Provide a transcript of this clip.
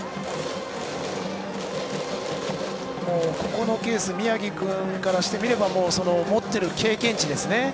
このケース宮城君からしてみれば持っている経験値ですね。